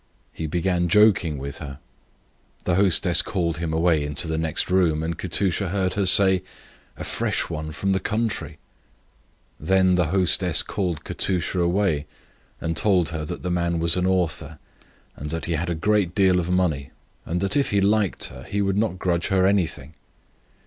He began joking with her. The hostess called him away into the next room, and Katusha heard her say, "A fresh one from the country," Then the hostess called Katusha aside and told her that the man was an author, and that he had a great deal of money, and that if he liked her he would not grudge her anything.